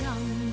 đảng dự sáng